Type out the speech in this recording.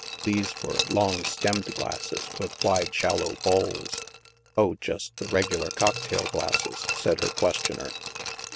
These were long stemmed glasses, with wide shallow bowls." " Oh, just the regular cocktail glasses,'* said her questioner.